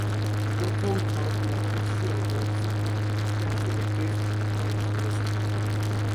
প্রথম ভারত উপমহাদেশীয় বংশোদ্ভূত ক্রিকেটার হিসেবে টেস্ট ক্রিকেটে অংশ নিয়েছেন।